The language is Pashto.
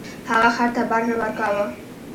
هغه خر ته بار نه ورکاوه.